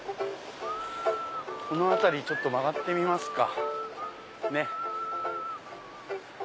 この辺りちょっと曲がってみますか。